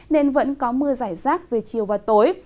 nên vẫn có mưa giải rác về chiều và tối